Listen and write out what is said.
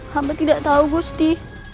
hamba tidak tahu gusti